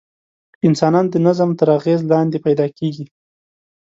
انسانان د نظم تر اغېز لاندې پیدا کېږي.